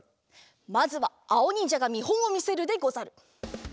まずはあおにんじゃがみほんをみせるでござる。